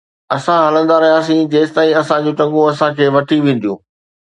اسان هلندا رهياسين جيستائين اسان جون ٽنگون اسان کي وٺي وينديون